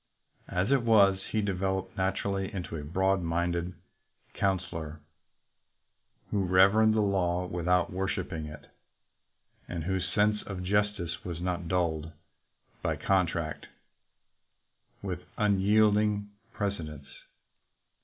As it was, hd developed naturally into a broad minded coun selor who reverenced the law without worshiping it, and whose sense of justice was not dulled by contact with unyielding precedents.